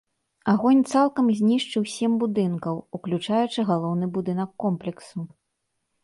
Агонь цалкам знішчыў сем будынкаў, уключаючы галоўны будынак комплексу.